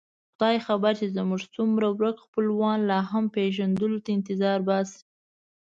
خدای خبر چې زموږ څومره ورک خپلوان لا هم پېژندلو ته انتظار باسي.